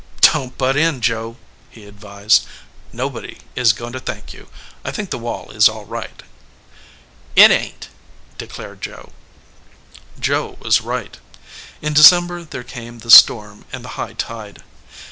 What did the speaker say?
"Don t butt in, Joe," he advised. "Nobody is going to thank you. I think the wall is all right." "It ain t," declared Joe. Joe was right. In December there came the storm and the high tide.